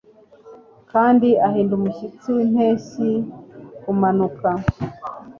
Kandi uhinda umushyitsi wimpeshyi kumanuka